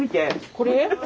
これ？